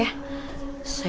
soalnya inget dulu waktu kecil ya